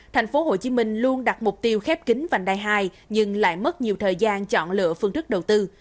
tp hcm luôn đặt mục tiêu khép kính vành đài hai nhưng lại mất nhiều thời gian chọn lựa phương thức đầu tư